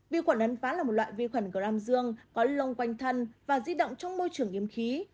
vi khuẩn uấn ván là một loại vi khuẩn gram dương có lông quanh thân và di động trong môi trường nghiêm khí